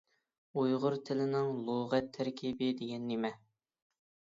ئۇيغۇر تىلىنىڭ لۇغەت تەركىبى دېگەن نېمە؟